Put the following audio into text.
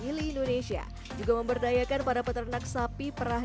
gili indonesia juga memberdayakan para peternak sapi perah